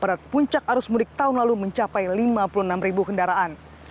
pada puncak arus mudik tahun lalu mencapai lima puluh enam ribu kendaraan